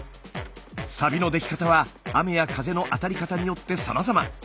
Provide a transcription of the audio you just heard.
サビのでき方は雨や風の当たり方によってさまざま。